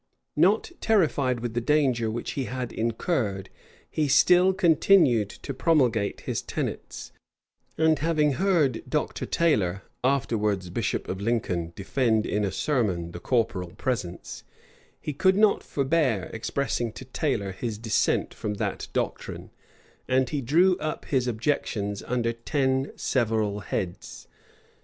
Not terrified with the danger which he had incurred, he still continued to promulgate his tenets; and having heard Dr. Taylor afterwards bishop of Lincoln, defend in a sermon the corporal presence, he could not forbear expressing to Taylor his dissent from that doctrine; and he drew up his objections under ten several heads.